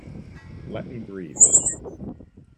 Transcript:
Let me breathe!